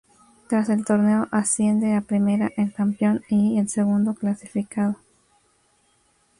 Tras el torneo asciende a Primera el campeón y el segundo clasificado.